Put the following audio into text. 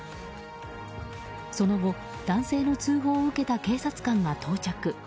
その後、男性の通報を受けた警察官が到着。